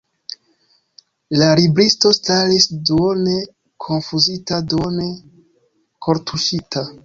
La libristo staris duone konfuzita, duone kortuŝita.